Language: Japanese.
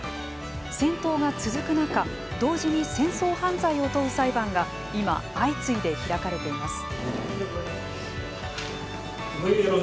戦闘が続く中、同時に戦争犯罪を問う裁判が今相次いで開かれています。